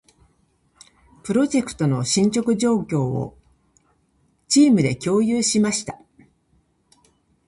プロジェクトの進捗状況を、チームで共有しました。